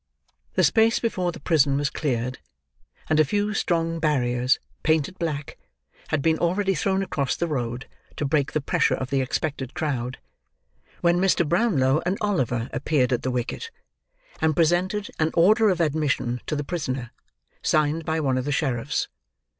The space before the prison was cleared, and a few strong barriers, painted black, had been already thrown across the road to break the pressure of the expected crowd, when Mr. Brownlow and Oliver appeared at the wicket, and presented an order of admission to the prisoner, signed by one of the sheriffs.